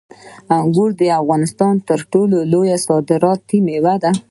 انګور د افغانستان تر ټولو لویه صادراتي میوه ده.